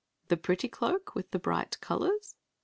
"The pretty cloak with the bright colors?"